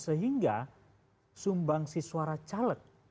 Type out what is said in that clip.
sehingga sumbangsi suara caleg